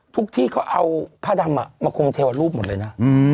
ที่เขาเอาผ้าดำมาคงเทวรูปหมดเลยนะ